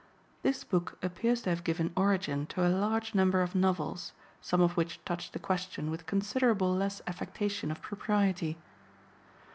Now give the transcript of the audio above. This book appears to have given origin to a large number of novels, some of which touched the question with considerable less affectation of propriety.